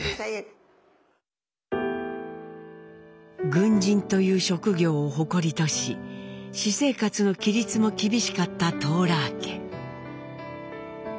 軍人という職業を誇りとし私生活の規律も厳しかったトーラー家。